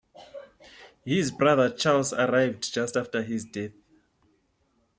His brother Charles arrived just after his death.